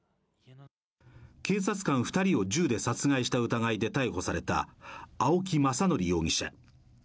警察官２人を銃で殺害した疑いで逮捕された青木政憲容疑者。